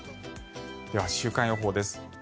では週間予報です。